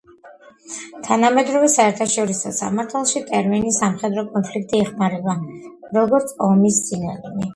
თანამედროვე საერთაშორისო სამართალში ტერმინი სამხედრო კონფლიქტი იხმარება, როგორც ომის სინონიმი.